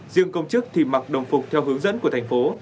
riêng công chức thì mặc đồng phục theo hướng dẫn của thành phố